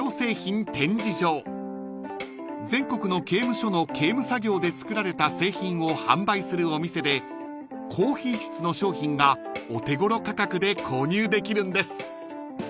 ［全国の刑務所の刑務作業で作られた製品を販売するお店で高品質の商品がお手ごろ価格で購入できるんです］